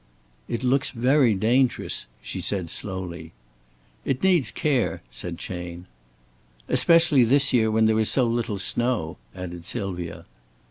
"It looks very dangerous," she said, slowly. "It needs care," said Chayne. "Especially this year when there is so little snow," added Sylvia.